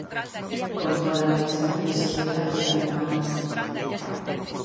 Controlan a distancia de seguridade e tamén a hora da cita.